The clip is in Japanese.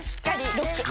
ロック！